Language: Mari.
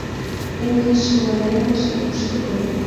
Эн лишыл айдемыже кушто гын